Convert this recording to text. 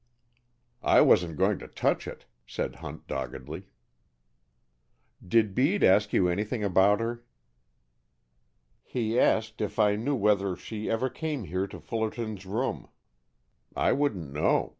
"I wasn't going to touch it," said Hunt doggedly. "Did Bede ask you anything about her?" "He asked if I knew whether she ever came here to Fullerton's room. I wouldn't know.